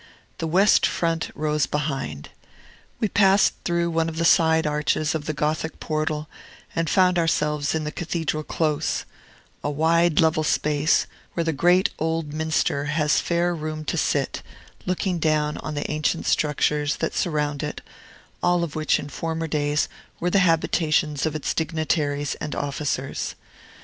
The west front rose behind. We passed through one of the side arches of the Gothic portal, and found ourselves in the Cathedral Close, a wide, level space, where the great old Minster has fair room to sit, looking down on the ancient structures that surround it, all of which, in former days, were the habitations of its dignitaries and officers.